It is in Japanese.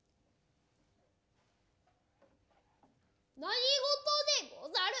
何事でござる。